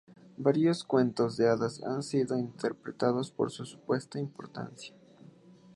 Varios cuentos de hadas han sido interpretados por su supuesta importancia.